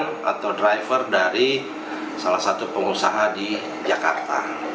dan atau driver dari salah satu pengusaha di jakarta